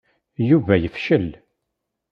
Yuba yefcel.